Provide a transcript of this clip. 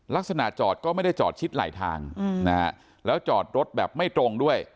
ลักษณะจอดก็ไม่ได้จอดชิดไหลทางแล้วจอดรถแบบไม่ตรงด้วย